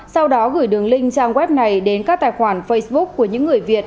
sau đó gửi đường link trang web này đến các tài khoản facebook của những người việt